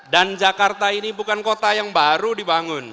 dan jakarta ini bukan kota yang baru dibangun